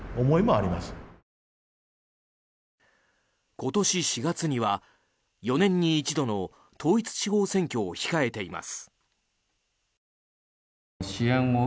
今年４月には４年に一度の統一地方選挙を控えています。